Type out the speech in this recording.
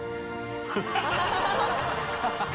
「ハハハハ！」